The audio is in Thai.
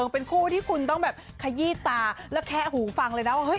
เป็นคู่ที่คุณต้องแบบขยี้ตาแล้วแคะหูฟังเลยนะว่า